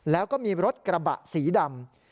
แล้วก็มีรถกระบะสีดำ